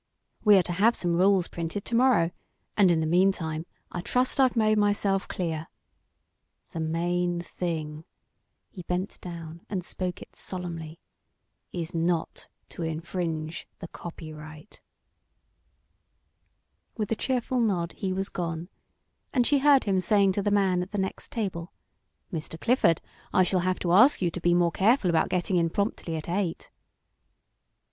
We are to have some rules printed to morrow, and in the meantime I trust I've made myself clear. The main thing" he bent down and spoke it solemnly "is not to infringe the copyright." With a cheerful nod he was gone, and she heard him saying to the man at the next table: "Mr. Clifford, I shall have to ask you to be more careful about getting in promptly at eight."